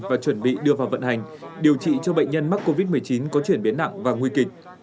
và chuẩn bị đưa vào vận hành điều trị cho bệnh nhân mắc covid một mươi chín có chuyển biến nặng và nguy kịch